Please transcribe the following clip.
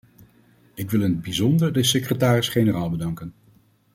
Ik wil in het bijzonder de secretaris-generaal bedanken.